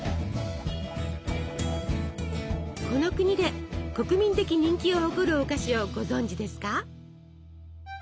この国で国民的人気を誇るお菓子をご存じですか？